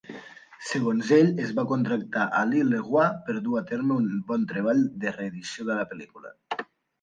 Segons ell, es va contractar Ali LeRoi per dur a terme un bon treball de reedició de la pel·lícula.